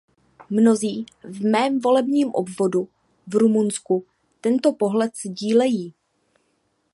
Mnozí v mém volebním obvodu v Rumunsku tento pohled sdílejí.